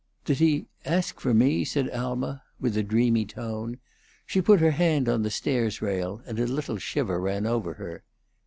"Did he ask for me?" said Alma, with a dreamy tone. She put her hand on the stairs rail, and a little shiver ran over her.